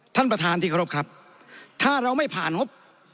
ท่านประธานที่เคารพครับถ้าเราไม่ผ่านงบ